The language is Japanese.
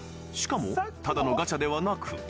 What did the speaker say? ［しかもただのガチャではなく］